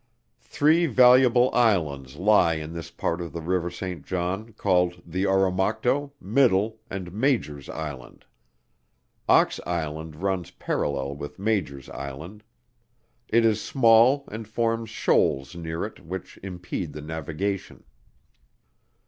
Three valuable Islands lie in this part of the river Saint John called the Oromocto, Middle, and Major's Island. Ox Island runs parallel with Major's Island. It is small and forms shoals near it which impede the navigation.